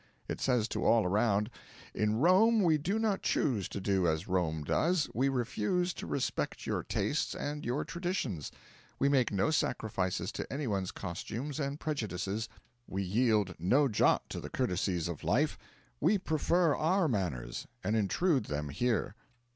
It says to all around: 'In Rome we do not choose to do as Rome does; we refuse to respect your tastes and your traditions; we make no sacrifices to anyone's customs and prejudices; we yield no jot to the courtesies of life; we prefer our manners, and intrude them here.'